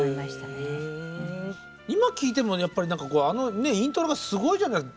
今聴いてもあのイントロがすごいじゃないですか。